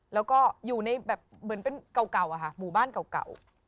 แล้วก็อยู่ในแบบเหมือนเป็นเก่าอะค่ะหมู่บ้านเก่า